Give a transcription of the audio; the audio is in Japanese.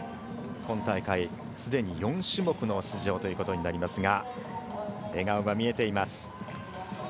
今大会、すでに４種目の出場となりますが笑顔が見えています。